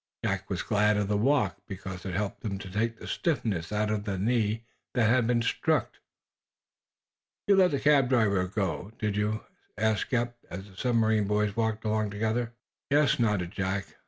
Jack was glad of the walk, because it helped to take the stiffness out of the knee that had been struck. "You let the cab driver go, did you!" asked Eph, as the submarine boys walked along together. "Yes," nodded Jack.